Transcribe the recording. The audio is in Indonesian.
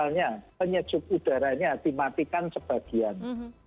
untuk penyajikan ruangan fasilitas yang ada di bandara